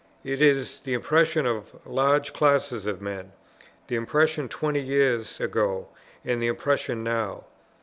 It is the impression of large classes of men; the impression twenty years ago and the impression now.